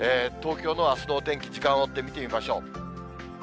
東京のあすのお天気、時間を追って見てみましょう。